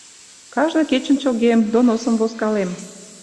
Кажне кечын чогем, доносым возкалем.